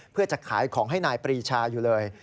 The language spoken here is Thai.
เพื่อจะขายของให้นายปรีชาอยู่เลย